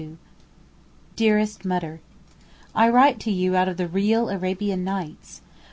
DEAREST MUTTER, I write to you out of the real Arabian Nights.